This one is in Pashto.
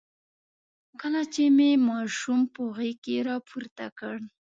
کله چې مې ماشوم په غېږ کې راپورته کړ.